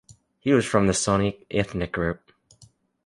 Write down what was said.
He was from the Soninke ethnic group.